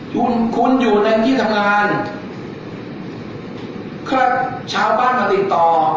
ทุ่มคุณอยู่ในที่ทำงานเป็นเช้าบ้านกับติดต่อ